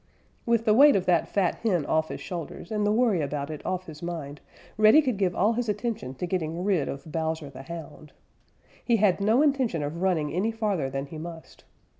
With the weight of that fat hen off his shoulders, and the worry about it off his mind, Reddy could give all his attention to getting rid of Bowser the Hound. He had no intention of running any farther than he must.